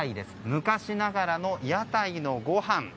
昔ながらの屋台のごはん。